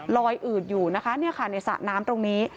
ลอยอืดอยู่นะคะเนี่ยค่ะในสระน้ำตรงนี้